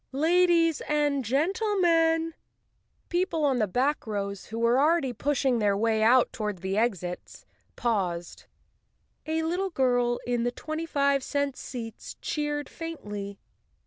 Ladies and gentlemen—" Chapter Two People on the back rows, who were already pushing their way toward the exits, paused. A little girl in the twenty five cent seats cheered faintly.